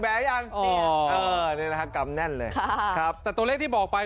แบร์แล้วยังอ๋อนี่แหละฮะกำแน่นเลยครับครับแต่ตัวเลขที่บอกไป